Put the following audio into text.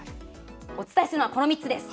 お伝えするのはこの３つです。